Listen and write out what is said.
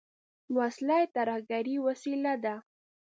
وسله د ترهګرۍ وسیله ده